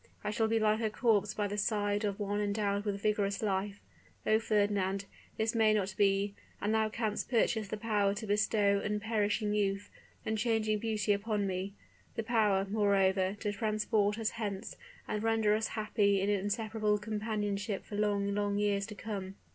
I shall be like a corpse by the side of one endowed with vigorous life. Oh, Fernand; this may not be; and thou canst purchase the power to bestow unperishing youth, unchanging beauty upon me; the power, moreover, to transport us hence, and render us happy in inseparable companionship for long, long years to come."